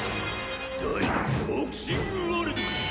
ダイボクシングワルド！